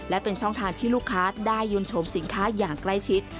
และเป็นช่องทางที่ลูกค้าได้ยืนชมสินค้าอย่างใกล้ชิด